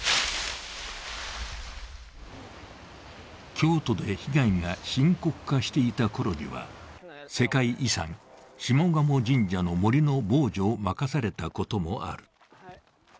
京都で被害が深刻化していた頃には、世界遺産・下鴨神社の森の防除を任されたこともある。